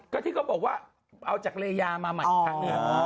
ก็ที่เขาบอกว่าเอาจากระยะมาใหม่คัน